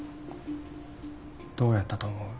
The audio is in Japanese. どうやったと思う？